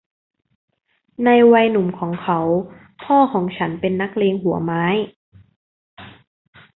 ในวัยหนุ่มของเขาพ่อของฉันเป็นนักเลงหัวไม้